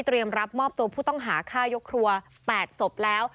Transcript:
รับมอบตัวผู้ต้องหาฆ่ายกครัว๘ศพแล้ว